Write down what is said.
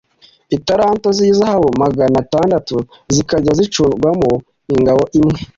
italanto z’izahabu magana atandatu zikajya zicurwamo ingabo imwe